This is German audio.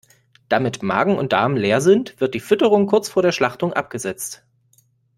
Damit Magen und Darm leer sind, wird die Fütterung kurz vor der Schlachtung abgesetzt.